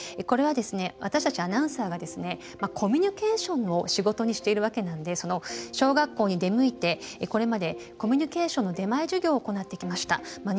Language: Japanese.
これは私たちアナウンサーがコミュニケーションを仕事にしているわけなんで小学校に出向いてこれまでコミュニケーションの出前授業を行ってきました。